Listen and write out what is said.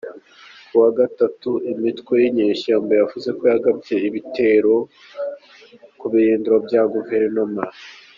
Ku wa gatanu, imitwe y'inyeshyamba yavuze ko yagabye ibitero ku birindiro bya guverinoma.